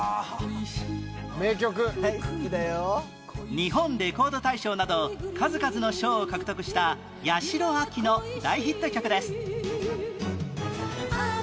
日本レコード大賞など数々の賞を獲得した八代亜紀の大ヒット曲です